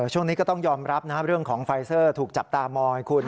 ช่วงนี้ก็ต้องยอมรับนะเรื่องของไฟเซอร์ถูกจับตามองให้คุณ